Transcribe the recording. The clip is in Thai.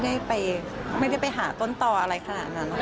ไม่ได้ไปหาต้นต่ออะไรขนาดนั้น